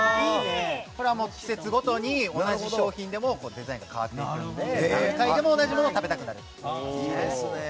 これは季節ごとに同じ商品でもデザインが変わっていくので何回でも同じものを食べたくなる。